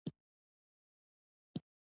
د سبزیجاتو کرنه د صحي خوړو د تولید بنسټ دی.